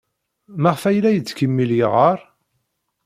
Maɣef ay la yettkemmil yeɣɣar?